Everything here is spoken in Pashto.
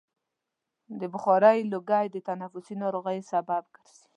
د بخارۍ لوګی د تنفسي ناروغیو سبب ګرځي.